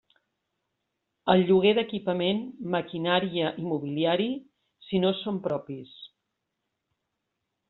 El lloguer d'equipament, maquinària i mobiliari, si no són propis.